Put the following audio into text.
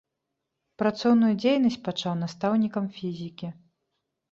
Працоўную дзейнасць пачаў настаўнікам фізікі.